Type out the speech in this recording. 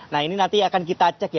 nah ini nanti akan kita cek ya